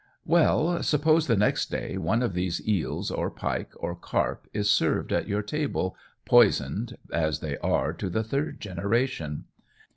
Well, suppose the next day, one of these eels, or pike, or carp is served at your table, poisoned, as they are to the third generation.